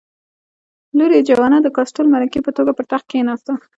لور یې جوانا د کاسټل ملکې په توګه پر تخت کېناسته.